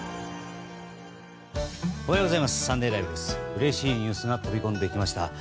うれしいニュースが飛び込んできました。